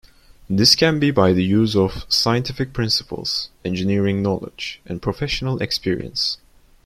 This can be by the use of scientific principles, engineering knowledge, and professional experience.